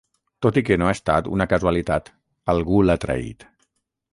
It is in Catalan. Tot i que no ha estat una casualitat: algú l'ha traït.